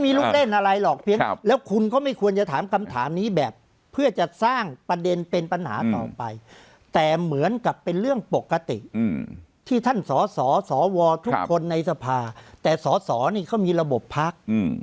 ลูกเล่นอะไรหรอกเพียงแล้วคุณก็ไม่ควรจะถามคำถามนี้แบบเพื่อจะสร้างประเด็นเป็นปัญหาต่อไปแต่เหมือนกับเป็นเรื่องปกติที่ท่านสสวทุกคนในสภาแต่สอสอนี่เขามีระบบพัก